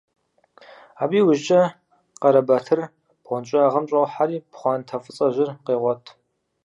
Абы иужькӀэ Къарэбатыр бгъуэнщӀагъым щӀохьэри пхъуантэ фӀыцӀэжьыр къегъуэт.